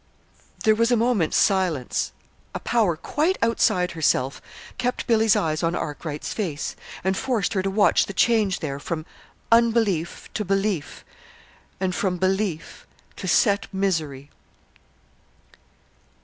There was a moment's silence. A power quite outside herself kept Billy's eyes on Arkwright's face, and forced her to watch the change there from unbelief to belief, and from belief to set misery.